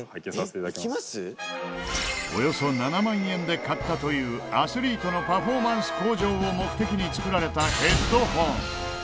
およそ７万円で買ったというアスリートのパフォーマンス向上を目的に作られたヘッドホン。